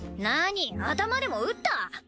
何頭でも打った？